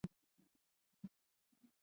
央街在多伦多有着重要的影响。